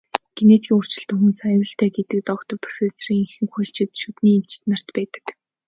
Генетикийн өөрчлөлттэй хүнс аюултай гэдэг доктор, профессорын ихэнх нь хуульчид, шүдний эмч нар байдаг.